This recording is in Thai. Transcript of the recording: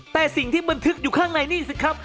แต่สิ่งที่บันทึกอยู่ข้างในนี่สิครับ